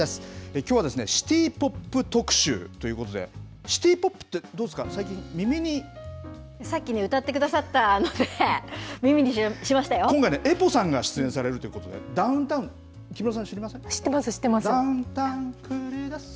きょうはシティポップ特集ということで、シティポップって、どうさっきね、歌ってくださった今回ね、エポさんが出演されるということで、ダウンタウン、木村さん、知知ってます、知ってます。